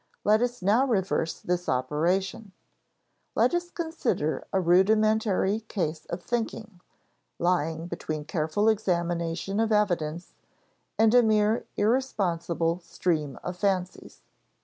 Let us now reverse this operation; let us consider a rudimentary case of thinking, lying between careful examination of evidence and a mere irresponsible stream of fancies.